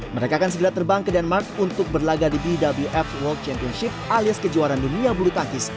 mereka akan segera terbang ke denmark untuk berlagak di bwf world championship alias kejuaraan dunia bulu tangkis